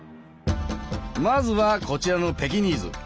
まずはこちらのペキニーズ。